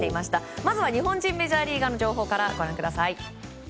まずは日本人メジャーリーガーの情報から。